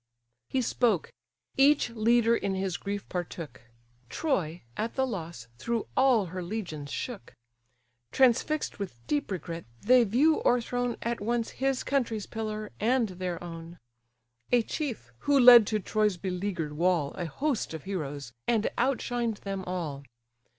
He spoke: each leader in his grief partook: Troy, at the loss, through all her legions shook. Transfix'd with deep regret, they view o'erthrown At once his country's pillar, and their own; A chief, who led to Troy's beleaguer'd wall A host of heroes, and outshined them all.